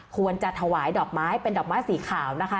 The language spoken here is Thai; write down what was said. ควรจะถวายดอกไม้เป็นดอกไม้สีขาวนะคะ